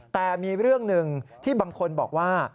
แต่มีเรื่องหนึ่งที่บางคนบอกว่า